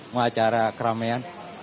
mau acara keramian